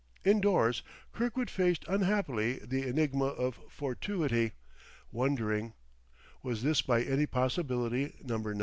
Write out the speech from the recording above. Indoors Kirkwood faced unhappily the enigma of fortuity, wondering: Was this by any possibility Number 9?